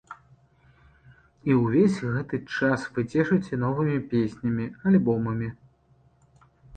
І ўвесь гэты час вы цешыце новымі песнямі, альбомамі.